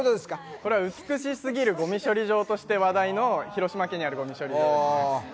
これは美しすぎるごみ処理場として話題の広島県のごみ処理場です。